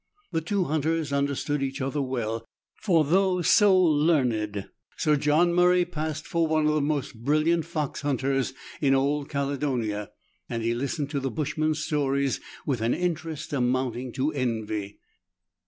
The two hunters understood each other well, for though so learned. Sir John Murray passed for one of the most brilliant fox hunters in old Caledonia, and he listened to the bushman's stories with an interest amounting to envy.